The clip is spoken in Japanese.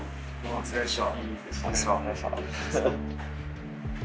お疲れっした。